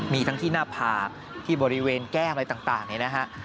มีทั้งที่หน้าผากที่บริเวณแก้มอะไรต่างเนี่ยนะฮะ